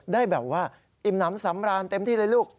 ได้แบบว่าอิ่มน้ำสำราญเต็มที่เลยลูก